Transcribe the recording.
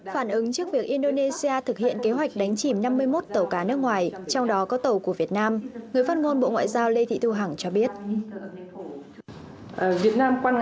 phản ứng trước việc indonesia thực hiện kế hoạch đánh chìm năm mươi một tàu cá nước ngoài trong đó có tàu của việt nam người phát ngôn bộ ngoại giao lê thị thu hằng cho biết